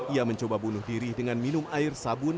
ia mencoba bunuh diri dengan minum air sabun